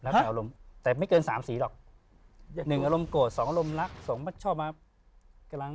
เปลี่ยนได้ครับรักแผ่นอารมณ์